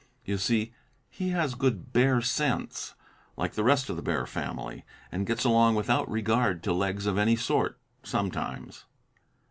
You see, he has good bear sense, like the rest of the bear family, and gets along without regard to legs of any sort, sometimes.